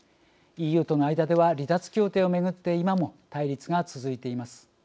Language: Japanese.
ＥＵとの間では離脱協定を巡って今も対立が続いています。